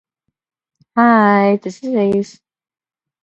Yidiny consonants, with no underlyingly voiceless consonants, are posited.